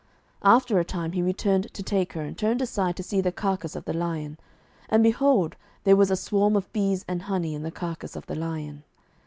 07:014:008 And after a time he returned to take her, and he turned aside to see the carcase of the lion: and, behold, there was a swarm of bees and honey in the carcase of the lion.